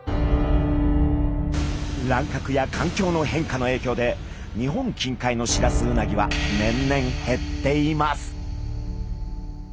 乱獲や環境の変化のえいきょうで日本近海のシラスウナギは年々減っています。